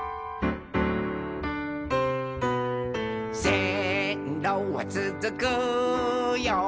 「せんろはつづくよ